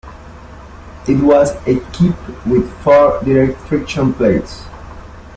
It was equipped with four direct friction plates.